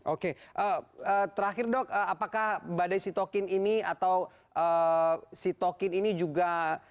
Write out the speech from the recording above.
oke terakhir dok apakah badai sitokin ini atau sitokin ini juga